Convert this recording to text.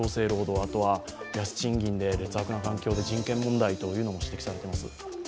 あとは安い賃金で劣悪な環境人権問題なども指摘されています。